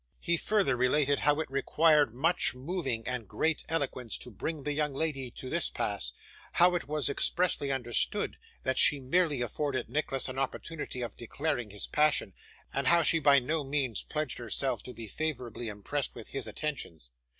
He further related how it required much moving and great eloquence to bring the young lady to this pass; how it was expressly understood that she merely afforded Nicholas an opportunity of declaring his passion; and how she by no means pledged herself to be favourably impressed with his attentions.